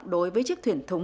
đối với chiếc thuyền thúng